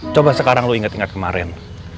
coba sekarang lo inget inget kemarin